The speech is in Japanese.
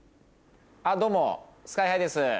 どうもＳＫＹ−ＨＩです。